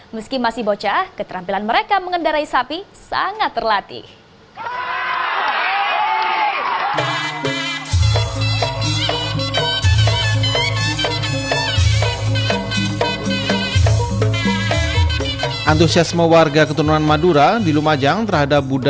meski masih bocah keterampilan mereka mengendarai sapi sangat terlatih